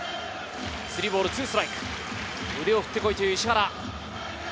３ボール２ストライク、腕を振って来いという石原。